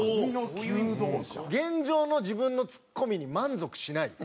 現状の自分のツッコミに満足しない。